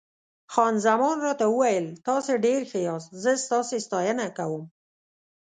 خان زمان راته وویل: تاسي ډېر ښه یاست، زه ستاسي ستاینه کوم.